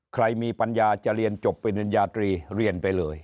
ใครมีปัญญาจะเรียนจบปริญญาตรีเรียนไปเลย